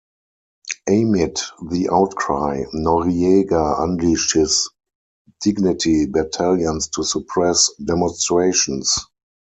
Amid the outcry, Noriega unleashed his Dignity Battalions to suppress demonstrations.